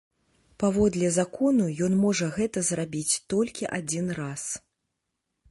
Паводле закону ён можа гэта зрабіць толькі адзін раз.